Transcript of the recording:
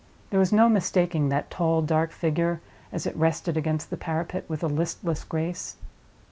There was no mistaking that tall, dark figure, as it rested against the parapet with a listless grace.